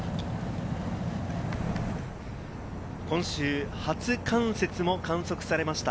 今週、初冠雪も観測されました